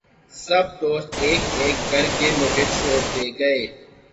سب دوست ایک ایک کرکے مُجھے چھوڑتے گئے